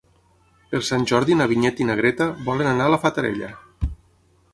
Per Sant Jordi na Vinyet i na Greta volen anar a la Fatarella.